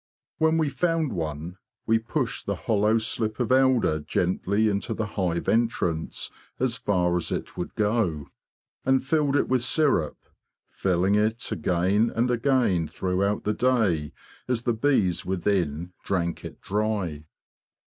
When we found one, we pushed the hollow slip of elder gently into the hive entrance as far as it would go, and filled it with syrup, filling it 200) THE BEE MASTER OF WARRILOW again and again throughout the day as the bees within drank it dry.